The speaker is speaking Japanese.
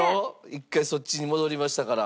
一回そっちに戻りましたから。